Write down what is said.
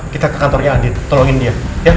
kita ke kantornya adit tolongin dia